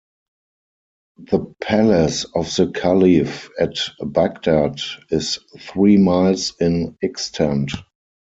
The palace of the Calif at Baghdad is three miles in extent.